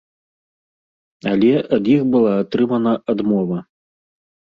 Але ад іх была атрымана адмова.